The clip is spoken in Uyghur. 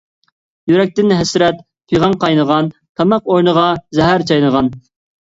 يۈرەكتىن ھەسرەت، پىغان قاينىغان، تاماق ئورنىغا زەھەر چاينىغان.